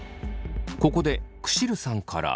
ここでクシルさんから。